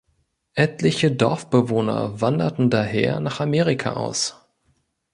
Etliche Dorfbewohner wanderten daher nach Amerika aus.